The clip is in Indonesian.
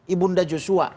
ibu nda joshua